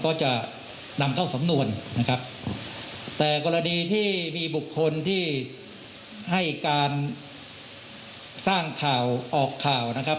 ก็จะนำเข้าสำนวนนะครับแต่กรณีที่มีบุคคลที่ให้การสร้างข่าวออกข่าวนะครับ